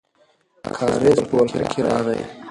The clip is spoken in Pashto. کارېز په ولکه کې راغی.